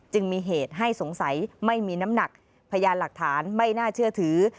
จึงมีเหตุให้สงสัยไม่มีน้ำหนักพยานหลักฐานไม่น่าเชื่อถือ